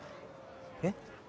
えっ？